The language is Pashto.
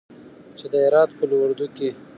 چې د هرات قول اردو کې